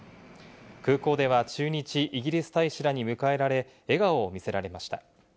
空港では駐日イギリス大使らに迎えられ、笑顔を見せられました。